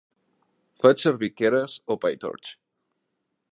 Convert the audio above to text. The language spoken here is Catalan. Faig servir Keras o Pytorch?